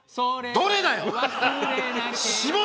どれだよ！